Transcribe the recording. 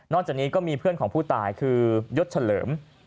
จากนี้ก็มีเพื่อนของผู้ตายคือยศเฉลิม